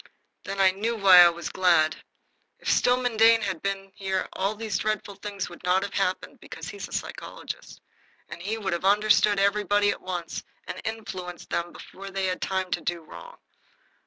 Then I knew why I was glad. If Stillman Dane had been here all these dreadful things would not have happened, because he is a psychologist, and he would have understood everybody at once and influenced them before they had time to do wrong.